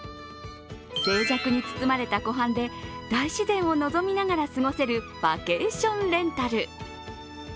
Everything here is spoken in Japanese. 静寂に包まれた湖畔で大自然を望みながら過ごせるバケーションレンタル。